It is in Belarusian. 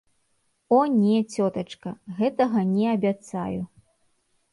О не, цётачка, гэтага не абяцаю.